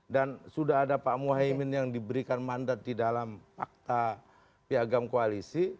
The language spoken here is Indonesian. dan sudah ada pak moaimin yang diberikan mandat di dalam fakta piagam koalisi